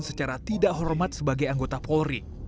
secara tidak hormat sebagai anggota polri